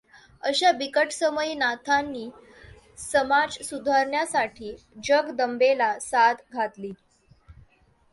अशा बिकट समयी नाथांनी समाज सुधारण्यासाठी जगदंबेला साद घातली.